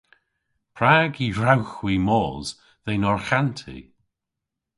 Prag y hwrewgh hwi mos dhe'n arghanti?